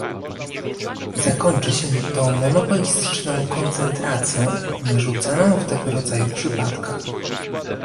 zakończy się to monopolistyczną koncentracją narzucaną w tego rodzaju przypadkach